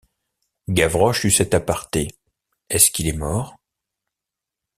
Gavroche eut cet aparté: Est-ce qu’il est mort?